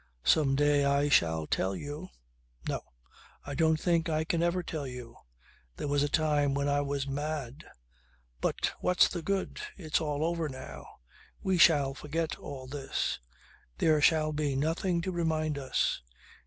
"Some day I shall tell you ... No. I don't think I can ever tell you. There was a time when I was mad. But what's the good? It's all over now. We shall forget all this. There shall be nothing to remind us."